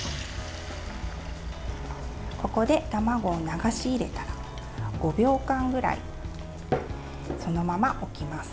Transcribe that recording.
ここで卵を流し入れたら５秒間ぐらいそのまま置きます。